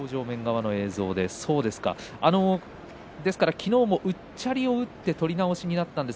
昨日も、うっちゃりを打って取り直しになりました。